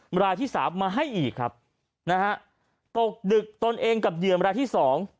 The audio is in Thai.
เวลาที่สามมาให้อีกครับนะฮะตกดึกตนเองกับเหยื่อมรายที่สอง